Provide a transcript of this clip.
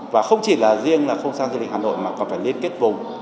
và không chỉ là riêng không gian du lịch hà nội mà còn phải liên kết vùng